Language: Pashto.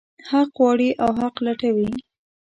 حق غواړي او حق لټوي.